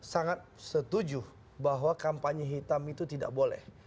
sangat setuju bahwa kampanye hitam itu tidak boleh